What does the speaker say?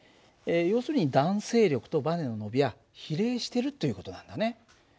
要するに弾性力とばねの伸びは比例してるという事なんだね。